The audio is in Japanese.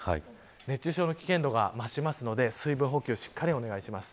熱中症の危険度が増すので水分補給をしっかりお願いします。